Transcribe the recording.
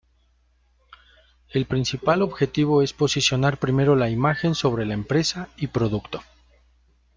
El principal objetivo es posicionar primero la imagen sobre la empresa y producto.